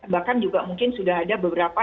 bahkan juga mungkin sudah ada beberapa